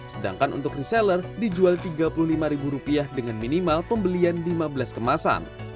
sedangkan untuk reseller dijual rp tiga puluh lima dengan minimal pembelian lima belas kemasan